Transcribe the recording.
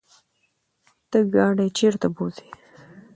ته ګاډی چرته بوځې؟